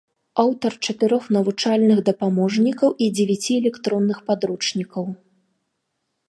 Аўтар чатырох навучальных дапаможнікаў і дзевяці электронных падручнікаў.